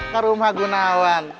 ke rumah gunawan